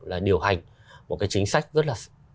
là điều hành một cái chính sách rất là